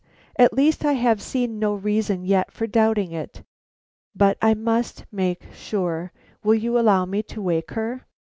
At least I have seen no reason yet for doubting it. But I must make sure. Will you allow me to wake her?"